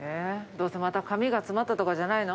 どうせまた紙が詰まったとかじゃないの？